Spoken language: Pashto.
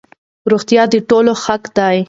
روغتيا د ټولو حق دی.